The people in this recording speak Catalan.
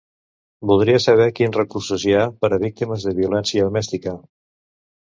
Voldria saber quins recursos hi ha per a víctimes de violència domèstica.